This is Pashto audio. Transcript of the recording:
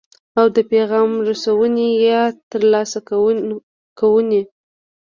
او د پیغام رسونې یا ترلاسه کوونې.